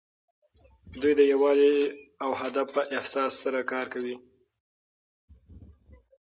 دوی د یووالي او هدف په احساس سره کار کوي.